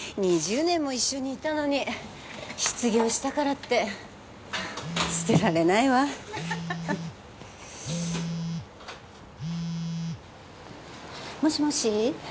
２０年も一緒にいたのに失業したからって捨てられないわ。もしもし？